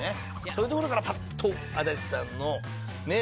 そういうところからパッと足立さんのね